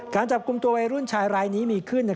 การจับกลุ่มตัววัยรุ่นชายรายนี้มีขึ้น